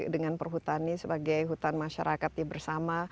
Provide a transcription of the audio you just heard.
dengan perhutani sebagai hutan masyarakat bersama